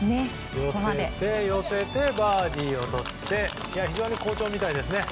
寄せて、寄せてバーディーを取って非常に好調みたいですね。